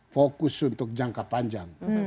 fokus untuk jangka panjang